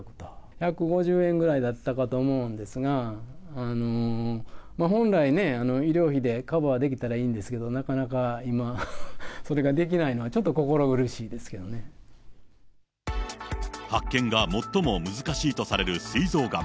１５０円ぐらいだったかと思うんですが、本来ね、医療費でカバーできたらいいんですけど、なかなか、今、それができないのは、発見が最も難しいとされるすい臓がん。